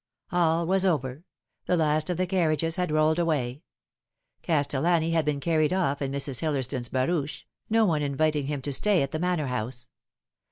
All was over: the last of the carriages had rolled away. Castellani had been carried off in Mrs. Hillersdon's barouche, no one inviting him to stay at the Manor House.